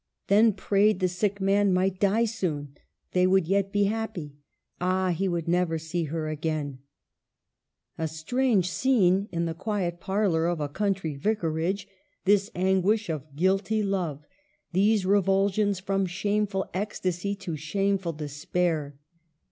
Then prayed the sick man might die soon ; they would yet be happy. Ah, he would never see her again ! A strange scene in the quiet parlor of a country vicarage, this anguish of guilty love, these revulsions from shameful ecstasy to shameful despair.